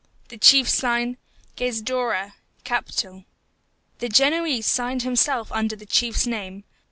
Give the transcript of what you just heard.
The chief signed, GAIZDORRA: Captal. The Genoese signed himself under the chief's name.